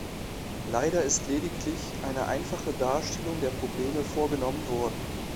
Leider ist lediglich eine einfache Darstellung der Probleme vorgenommen worden.